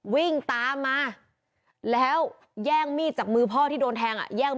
วิ่งตามมาแล้วแย่งมีดจากมือพ่อที่โดนแทงอ่ะแย่ง